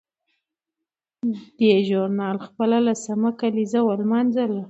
دې ژورنال خپله سلمه کالیزه ولمانځله.